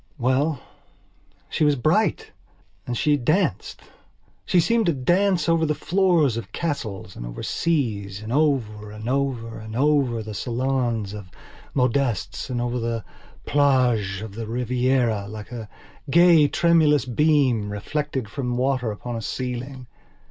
Well, she was bright; and she danced. She seemed to dance over the floors of castles and over seas and over and over and over the salons of modistes and over the plages of the Rivieralike a gay tremulous beam, reflected from water upon a ceiling.